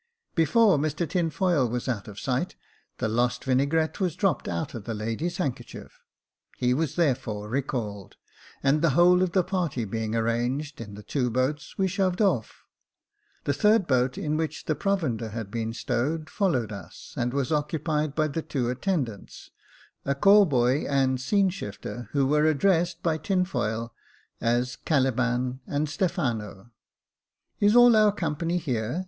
Before Mr Tinfoil was out of sight, the lost vinaigrette was dropped out of the lady's handkerchief 5 he was therefore recalled ; and the whole of the party being arranged in the two boats, we shoved off; the third boat, in which the provender had been stowed, followed us, and was occupied by the two attendants, a call boy and scene shifter, who were addressed by Tinfoil as Caliban and Stephano. *' Is all our company here